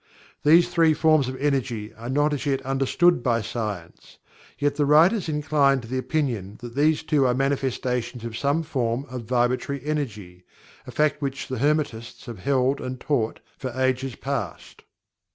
These three forms of Energy are not as yet understood by science, yet the writers incline to the opinion that these too are manifestations of some form of vibratory energy, a fact which the Hermetists have held and taught for ages past.